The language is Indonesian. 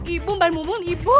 ibu mbak mumun ibu